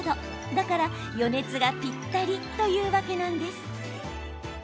だから余熱がぴったりというわけなんです。